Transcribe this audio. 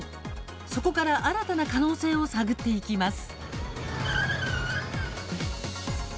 そこから新たな可能性を探っていきます。